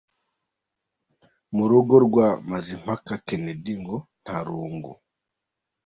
Mu rugo rwa Mazimpaka Kennedy ngo nta rungu.